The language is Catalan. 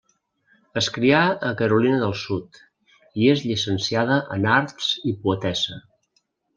Es crià a Carolina del Sud, i és llicenciada en arts i poetessa.